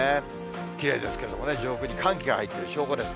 きれいですけれどもね、上空に寒気が入っている証拠です。